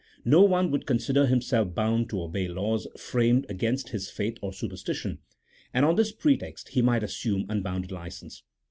No one would consider himself bound to obey laws framed against his faith or superstition; and on this pretext he might assume unbounded license.